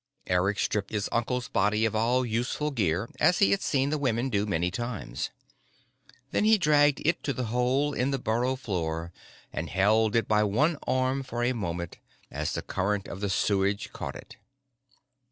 Eric stripped his uncle's body of all useful gear as he had seen the women do many times. Then he dragged it to the hole in the burrow floor and held it by one arm for a moment as the current of the sewage caught it.